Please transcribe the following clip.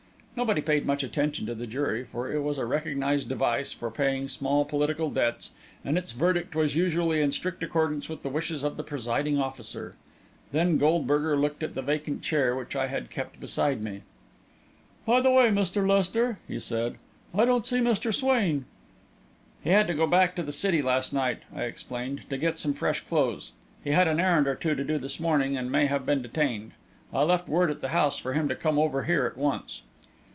Nobody paid much attention to the jury, for it was a recognised device for paying small political debts, and its verdict was usually in strict accord with the wishes of the presiding officer. Then Goldberger looked at the vacant chair which I had kept beside me. "By the way, Mr. Lester," he said, "I don't see Mr. Swain." "He had to go back to the city last night," I explained, "to get some fresh clothes. He had an errand or two to do this morning, and may have been detained. I left word at the house for him to come over here at once."